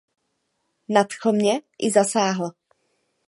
Nadchl mě i zasáhl.